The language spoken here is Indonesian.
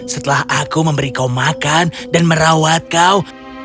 setelah aku memberi kau makan dan merawat kau